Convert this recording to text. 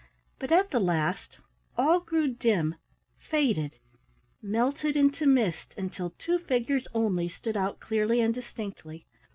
But at the last all grew dim, faded, melted into mist until two figures only stood out clearly and distinctly.